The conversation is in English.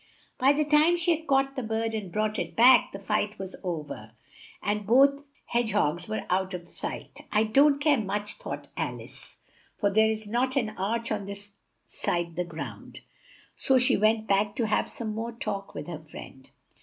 By the time she had caught the bird and brought it back, the fight was o ver, and both hedge hogs were out of sight. "I don't care much," thought Al ice, "for there is not an arch on this side the ground." So she went back to have some more talk with her friend.